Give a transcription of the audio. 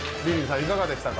いかがでしたか？